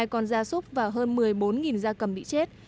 hai trăm ba mươi hai con da súc và hơn một mươi bốn da cầm bị chết